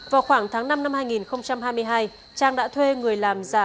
vào khoảng tháng năm năm hai nghìn hai mươi hai trang đã thuê người làm giả